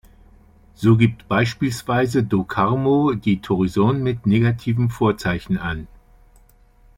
So gibt beispielsweise do Carmo die Torsion mit negativem Vorzeichen an.